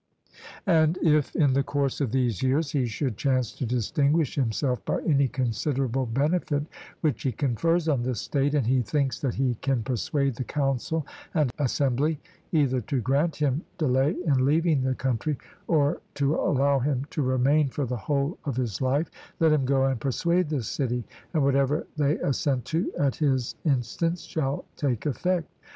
And if in the course of these years he should chance to distinguish himself by any considerable benefit which he confers on the state, and he thinks that he can persuade the council and assembly, either to grant him delay in leaving the country, or to allow him to remain for the whole of his life, let him go and persuade the city, and whatever they assent to at his instance shall take effect.